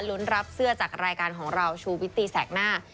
รับเสื้อจากรายการของเราชูวิตตีแสกหน้า